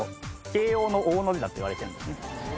慶應の「應」の字だって言われてるんですね